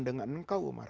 dengan engkau umar